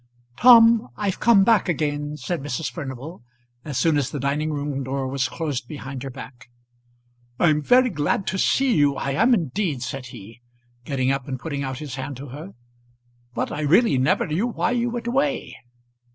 "Tom, I've come back again," said Mrs. Furnival, as soon as the dining room door was closed behind her back. "I'm very glad to see you; I am indeed," said he, getting up and putting out his hand to her. "But I really never knew why you went away."